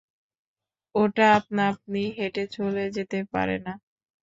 ওটা আপনাআপনি হেঁটে চলে যেতে পারে না!